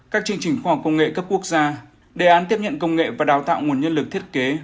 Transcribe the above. các chương trình khoa học công nghệ cấp quốc gia đề án tiếp nhận công nghệ và đào tạo nguồn nhân lực thiết kế